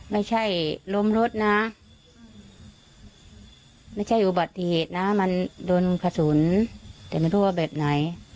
ไม่ใช่ล้มรถนะไม่ใช่อุบัติเหตุนะมันโดนกระสุนแต่ไม่รู้ว่าแบบไหน